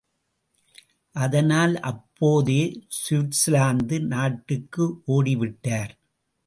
அதனால் அப்போதே சுவிட்சர்லாந்து நாட்டுக்கு ஓடி விட்டார்!